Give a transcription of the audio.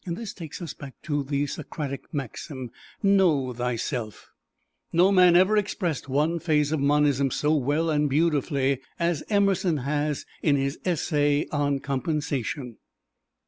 This takes us back to the Socratic maxim, "Know Thyself." No man ever expressed one phase of Monism so well and beautifully as Emerson has in his "Essay on Compensation."